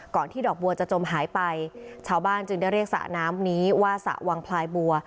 ที่ดอกบัวจะจมหายไปชาวบ้านจึงได้เรียกสระน้ำนี้ว่าสระวังพลายบัว